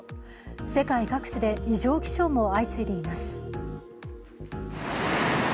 世界各地で異常気象も相次いでいます。